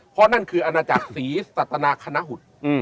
เพราะนั่นคืออาณาจักรศรีสัตนาคณะหุด